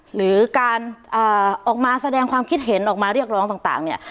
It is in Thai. หรือการออกมาแสดงความคิดเห็นออกมาเรียกร้องต่างเนี่ย